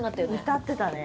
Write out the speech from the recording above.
歌ってたね。